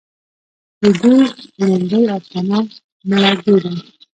د دوي وړومبۍ افسانه " مړه ګيډه